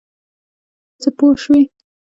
څه پوه شوې.